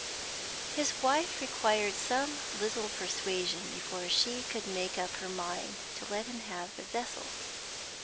His wife required some little persuasion before she could make up her mind to let him have the vessel.